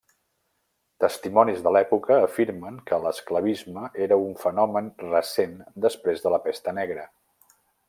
Testimonis de l'època afirmen que l'esclavisme era un fenomen recent després de la Pesta Negra.